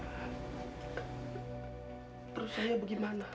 terus saya bagaimana